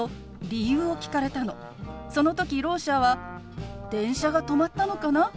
その時ろう者は「電車が止まったのかな？